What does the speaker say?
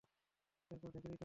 এরপর ঢেকে দিতে হবে।